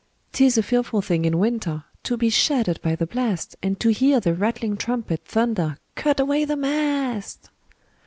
'Tis a fearful thing in winter To be shattered by the blast, And to hear the rattling trumpet Thunder, "Cut away the mast!"